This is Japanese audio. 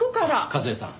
和江さん